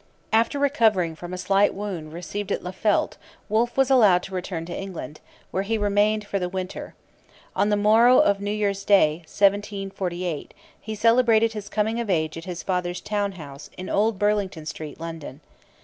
After recovering from a slight wound received at Laffeldt Wolfe was allowed to return to England, where he remained for the winter. On the morrow of New Year's Day, 1748, he celebrated his coming of age at his father's town house in Old Burlington Street, London.